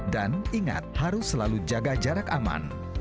dan ingat harus selalu jaga jarak aman